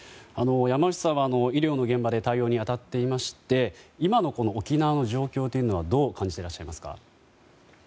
山内さんは医療の現場で対応に当たっていまして今の沖縄の状況というのはどう感じていらっしゃいますか？